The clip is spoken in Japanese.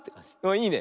いいね。